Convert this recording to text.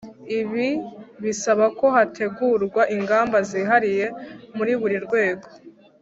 ibi bisaba ko hategurwa ingamba zihariye muri buri rwego,